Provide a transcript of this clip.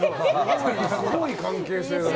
すごい関係性だね。